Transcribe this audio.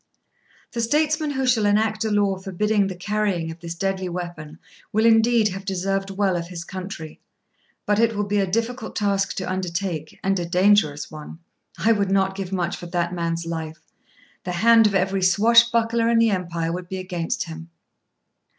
The statesman who shall enact a law forbidding the carrying of this deadly weapon will indeed have deserved well of his country; but it will be a difficult task to undertake, and a dangerous one. I would not give much for that man's life. The hand of every swashbuckler in the empire would be against him.